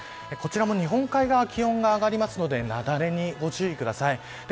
こちらも日本海側は気温が上がるのでなだれにご注意ください。